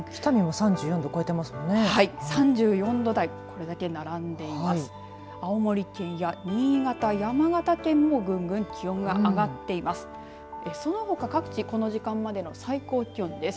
３４度台がこれだけ並んでいます。